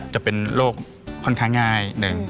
จะเป็นโรคค่อนข้างง่าย๑๒